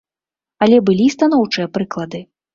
Але былі і станоўчыя прыклады.